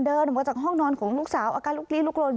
เดินออกมาจากห้องนอนของลูกสาวอาการลุกลี้ลุกลน